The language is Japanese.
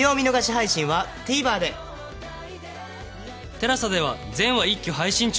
ＴＥＬＡＳＡ では全話一挙配信中